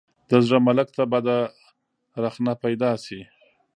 د زړه ملک ته بده رخنه پیدا شي.